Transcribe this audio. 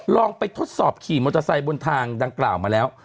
ลองไปทดสอบขี่มอเตอร์ไซค์บนทางดังกล่าวมาแล้ว